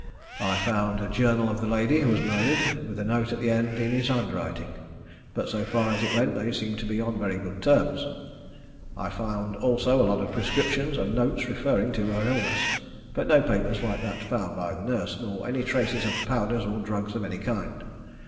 I found a journal of the lady who was murdered, with a note at the end in his handwriting; but so far as it went they seemed to be on very good terms. I found also a lot of prescriptions and notes referring to her illness, but no papers like that found by the nurse, nor any traces of powders or drugs of any kind.